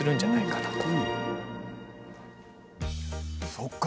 そっか。